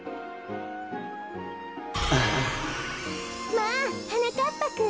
まあはなかっぱくん。